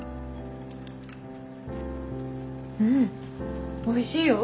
うんおいしいよ。